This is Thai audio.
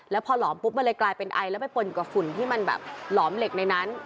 แล้วพอหลอมปุ๊บมันเลยกลายเป็นไอแล้วไปปนอยู่กับฝุ่นที่มันแบบหลอมเหล็กในนั้น